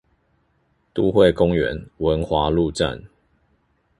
都會公園文華路站